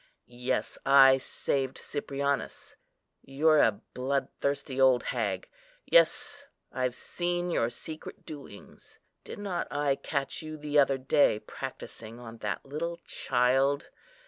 Yes, I saved Cyprianus. You're a bloodthirsty old hag! Yes, I've seen your secret doings. Did not I catch you the other day, practising on that little child?